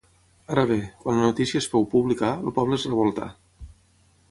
Ara bé, quan la notícia es féu pública, el poble es revoltà.